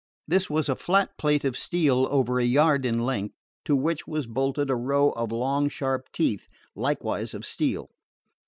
This was a flat plate of steel over a yard in length, to which was bolted a row of long, sharp teeth, likewise of steel.